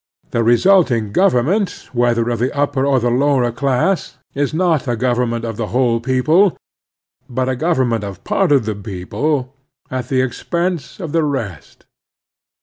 The resulting government, whether of the upper or the lower class, is not a government of the whole people, but a government of part of the people at the expense of the rest.